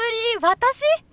私？